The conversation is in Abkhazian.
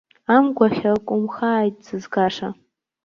Амгәахь акәымхааит сызгаша.